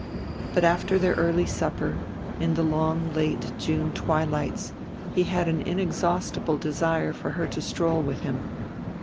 But after their early supper, in the long late June twilights, he had an inexhaustible desire for her to stroll with him.